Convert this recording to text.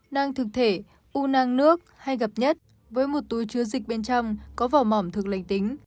năng thực thể u nang nước hay gặp nhất với một túi chứa dịch bên trong có vỏ mỏm thực lành tính